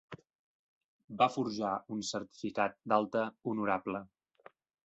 Va forjar un certificat d'alta honorable.